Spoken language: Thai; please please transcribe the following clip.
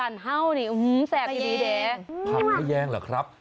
ทั้งแต่แยงหรอครับ